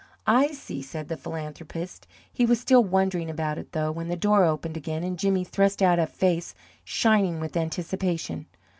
"I see," said the philanthropist. He was still wondering about it, though, when the door opened again, and Jimmy thrust out a face shining with anticipation.